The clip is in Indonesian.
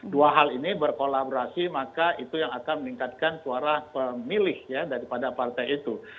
dua hal ini berkolaborasi maka itu yang akan meningkatkan suara pemilih daripada partai itu